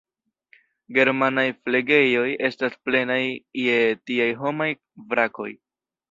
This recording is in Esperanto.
Germanaj flegejoj estas plenaj je tiaj homaj vrakoj.